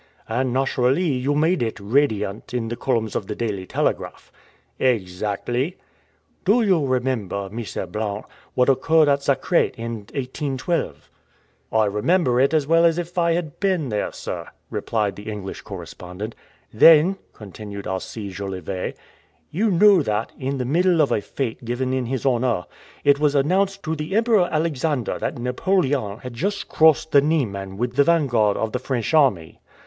"And, naturally, you made it 'radiant,' in the columns of the Daily Telegraph." "Exactly." "Do you remember, Mr. Blount, what occurred at Zakret in 1812?" "I remember it as well as if I had been there, sir," replied the English correspondent. "Then," continued Alcide Jolivet, "you know that, in the middle of a fête given in his honor, it was announced to the Emperor Alexander that Napoleon had just crossed the Niemen with the vanguard of the French army.